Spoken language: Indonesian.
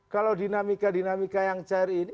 kalau dinamika dinamika yang cair ini